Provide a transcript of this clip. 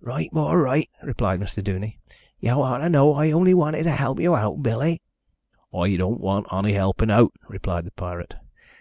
"Right, bor, right," replied Mr. Duney. "Yow oughter know I only wanted to help yow out, Billy." "I dawn't want onny helpin' out," replied the pirate.